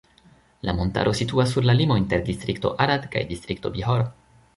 La montaro situas sur la limo inter distrikto Arad kaj distrikto Bihor.